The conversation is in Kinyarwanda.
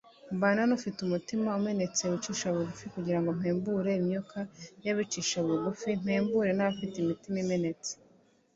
Mbana n’ufite umutima umenetse wicisha bugufi, kugira ngo mpembure imyuka y’abicisha bugufi, mpembure n’abafite imitima imenetse